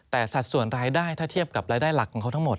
แต่สัดส่วนรายได้ถ้าเทียบกับรายได้หลักของเขาทั้งหมด